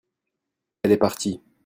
elles est partie.